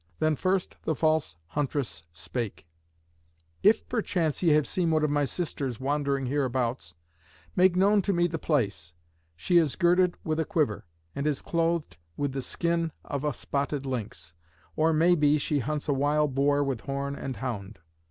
Then first the false huntress spake, "If perchance ye have seen one of my sisters wandering hereabouts, make known to me the place. She is girded with a quiver, and is clothed with the skin of a spotted lynx, or, may be, she hunts a wild boar with horn and hound."